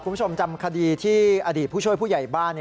คุณผู้ชมจำคดีที่อดีตผู้ช่วยผู้ใหญ่บ้าน